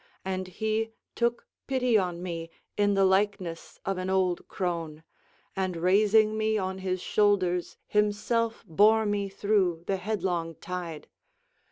And he took pity on me in the likeness of an old crone, and raising me on his shoulders himself bore me through the headlong tide.